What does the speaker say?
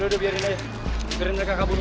udah biarin aja ikutin mereka kaburin